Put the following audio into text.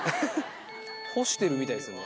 干してるみたいですよね。